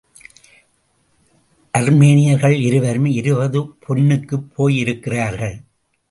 அர்மேனியர்கள் இருவரும் இருபது பொன்னுக்குப் போயிருக்கிறார்கள்.